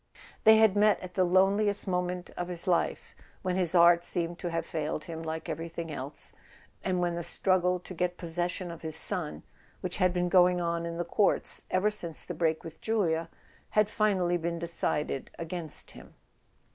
They had met at the loneliest moment of his life, when his art seemed to have failed him like everything else, and when the struggle to get possession of his son, which had been going on in the courts ever since the break with Julia, had finally been decided against him.